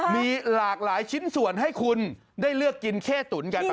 มีหลากหลายชิ้นส่วนให้คุณได้เลือกกินเข้ตุ๋นกันไป